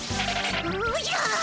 おじゃ！